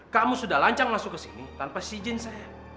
kamu sudah lancar masuk kesini tanpa izin saya